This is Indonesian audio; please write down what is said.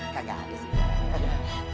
gak ada sih